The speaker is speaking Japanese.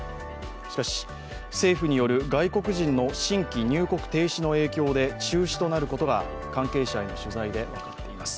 しかし、政府による外国人の新規入国停止の影響で中止となることが関係者への取材で分かりました。